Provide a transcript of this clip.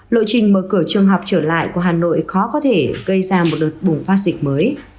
lộ trình mở cửa trường học trở lại của hà nội khó có thể gây ra một đợt bùng phát dịch mới